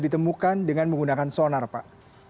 ditemukan dengan menggunakan sonar pak